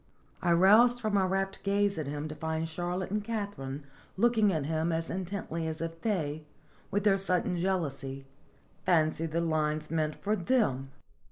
" I roused from my rapt gaze at him to find Charlotte and Katharine looking at him as in tently as if they, with their sudden jealousy, fancied the lines meant for them.